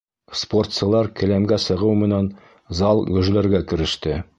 Спортсылар келәмгә сығыу менән зал гөжләргә кереште.